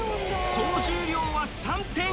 総重量は３．８ｔ